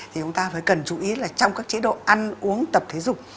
thì chúng ta phải cần chú ý là trong các chế độ ăn uống tập thể dục